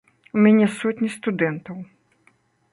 У мяне сотні студэнтаў.